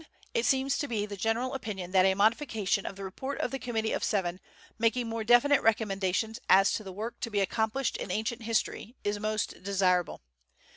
It seems to be the general opinion that a modification of the report of the Committee of Seven, making more definite recommendations as to the work to be accomplished in ancient history, is most desirable.